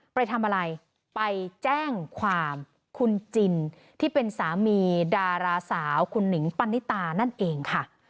ไปทำอะไรไปแจ้งความคุณจินที่เป็นสามีดาราสาวคุณหนิงปันนิตานั่นเองค่ะ